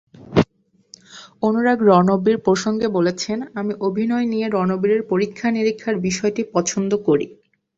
অনুরাগ রণবীর প্রসঙ্গে বলেছেন, আমি অভিনয় নিয়ে রণবীরের পরীক্ষা-নিরীক্ষার বিষয়টি পছন্দ করি।